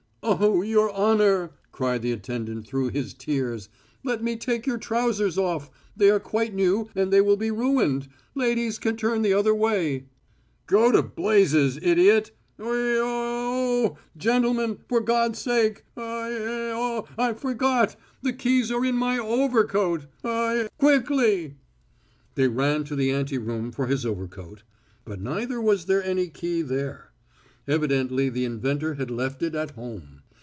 "Oh, your honour!" cried the attendant through his tears. "Let me take your trousers off. They are quite new, and they will be ruined.... Ladies can turn the other way." "Go to blazes, idiot! Oey, o, O!... Gentlemen, for God's sake!... Oey, oey!... I forgot.... The keys are in my overcoat.... Oey! Quickly!" They ran to the ante room for his overcoat. But neither was there any key there. Evidently the inventor had left it at home.